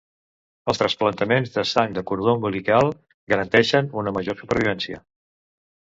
Els trasplantaments de sang de cordó umbilical garanteixen una major supervivència.